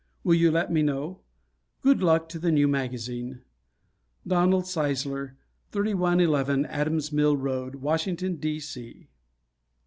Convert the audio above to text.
Will you let me know? Good luck to the new magazine. Donald Sisler, 3111 Adams Mill Road, Washington, D. C.